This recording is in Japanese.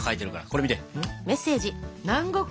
これ見て。